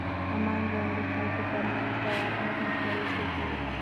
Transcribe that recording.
امن ژوند د خلکو ترمنځ باور او همکاري زیاتوي.